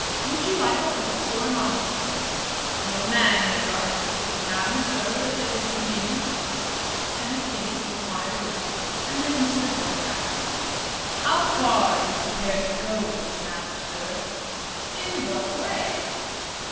"Would you like a horse or an automobile?" "Your man may drive me to the town, sir, if it is convenient." Kenneth gave the required order, and then Mr. Burke asked: "How far are you prepared to go in this matter, sir?" "In what way?"